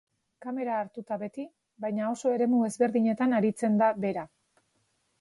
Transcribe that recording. Kamera hartuta beti, baina oso eremu ezberdinetan aritzen da bera.